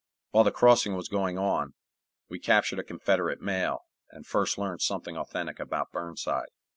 While the crossing was going on, we captured a Confederate mail, and first learned something authentic about Burnside.